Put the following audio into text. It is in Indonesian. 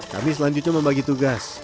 kami selanjutnya membagi tugas